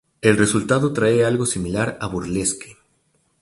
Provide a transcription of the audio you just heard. El resultado trae algo similar a Burlesque.